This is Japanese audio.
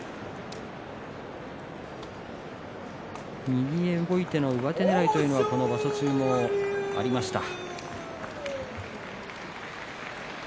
右へ動いての上手ねらいというのはこの場所中もありました。